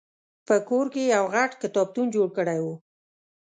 په کور کې یې یو غټ کتابتون جوړ کړی و.